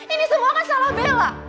ini semua kan salah bella